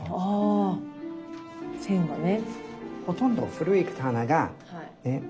あ線がね。